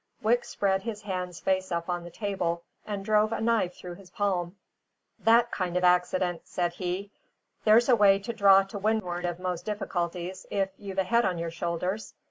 Wicks spread his hand face up on the table, and drove a knife through his palm. "That kind of an accident," said he. "There's a way to draw to windward of most difficulties, if you've a head on your shoulders."